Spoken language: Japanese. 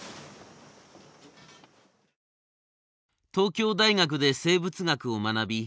東京大学で生物学を学び